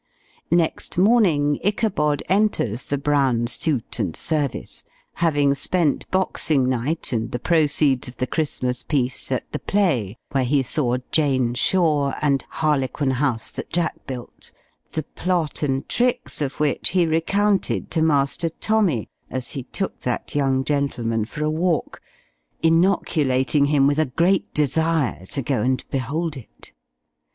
Next morning Ichabod enters the Brown suit and service, having spent Boxing night and the proceeds of the Christmas piece at the play, where he saw "Jane Shore" and "Harlequin House that Jack built;" the plot and tricks of which he recounted to Master Tommy, as he took that young gentleman for a walk, inoculating him with a great desire to go and behold it.